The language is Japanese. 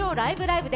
ライブ！」